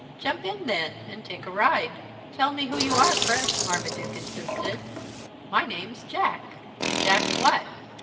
"Jump in, then, and take a ride." "Tell me who you are, first," Marmaduke insisted. "My name's Jack." "Jack what?"